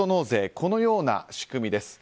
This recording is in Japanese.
このような仕組みです。